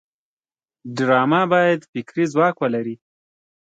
ډرامه باید فکري ځواک ولري